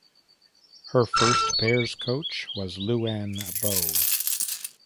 Her first pairs coach was Luan Bo.